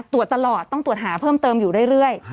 ตรวจตลอดต้องตรวจหาเพิ่มเติมอยู่เรื่อย